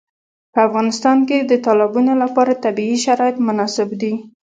په افغانستان کې د تالابونه لپاره طبیعي شرایط مناسب دي.